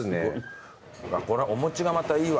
うわこれお餅がまたいいわ。